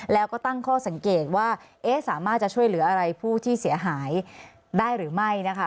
แล้วก็ตั้งข้อสังเกตว่าสามารถจะช่วยเหลืออะไรผู้ที่เสียหายได้หรือไม่นะคะ